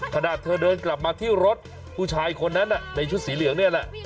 ขณะเธอเดินกลับมาที่รถผู้ชายคนนั้นในชุดสีเหลืองนี่แหละ